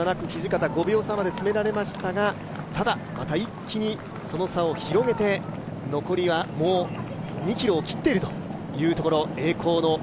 そして７区、土方、５秒差まで詰められましたがただ、また一気にその差を広げて残りはもう２ｋｍを切っているというところ。